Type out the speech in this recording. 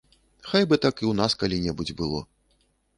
Хай бы так і ў нас калі-небудзь было.